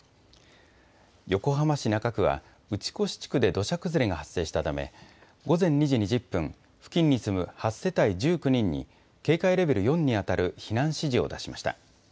横浜市中区は、打越地区で土砂崩れが発生したため、午前２時２０分、付近に住む８世帯１９人に警戒レベル４に当たる避難指示を出しました。